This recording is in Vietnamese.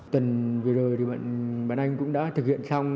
tuần vừa rồi thì bạn anh cũng đã thực hiện xong